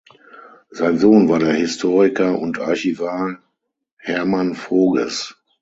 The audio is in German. Sein Sohn war der Historiker und Archivar Hermann Voges.